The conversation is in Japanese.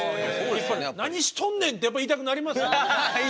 「何しとんねん」ってやっぱり言いたくなりますよね。